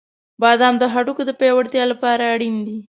• بادام د هډوکو د پیاوړتیا لپاره اړین دي.